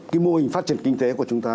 cái mô hình phát triển kinh tế của chúng ta